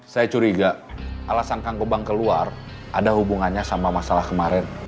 saya curiga alasan kang gebang keluar ada hubungannya sama masalah kemarin